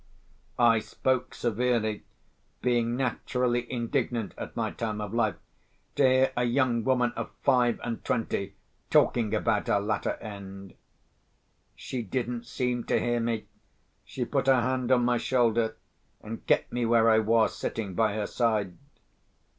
I spoke severely, being naturally indignant (at my time of life) to hear a young woman of five and twenty talking about her latter end! She didn't seem to hear me: she put her hand on my shoulder, and kept me where I was, sitting by her side.